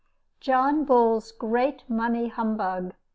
JOHN BULL'S GREAT MONEY HUMBUG.